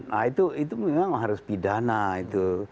nah itu memang harus pidana itu